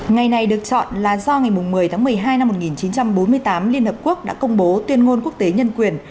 ngày này được chọn là do ngày một mươi tháng một mươi hai năm một nghìn chín trăm bốn mươi tám liên hợp quốc đã công bố tuyên ngôn quốc tế nhân quyền